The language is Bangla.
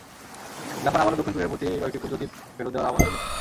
জাপান আবারও দক্ষিণ কোরিয়ার প্রতি কয়েকটি ক্ষুদ্র দ্বীপ ফেরত দেওয়ার আহ্বান জানিয়েছে।